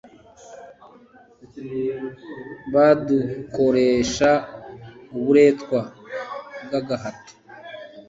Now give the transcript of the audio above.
badukoresha uburetwa bw agahato